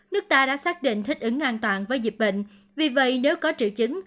nước ta đã xác định thích ứng an toàn với dịch bệnh vì vậy nếu có triệu chứng